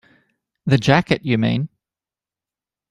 The jacket, you mean?